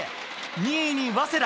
２位に早稲田。